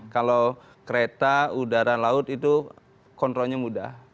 kalau kereta udara laut itu kontrolnya mudah